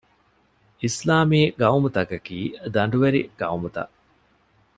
އިސްލާމީ ޤައުމުތަކަކީ ދަނޑުވެރި ޤައުމުތައް